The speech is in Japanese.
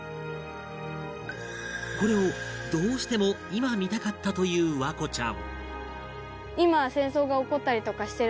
これをどうしても今見たかったという環子ちゃん